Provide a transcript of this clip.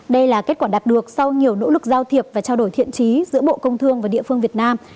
đây là kết quả đạt được sau nhiều nỗ lực giao thiệp và trao đổi thiện trí giữa bộ công thương và địa phương việt nam